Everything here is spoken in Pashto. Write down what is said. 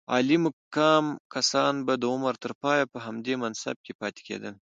عالي مقام کسان به د عمر تر پایه په همدې منصب کې پاتې کېدل.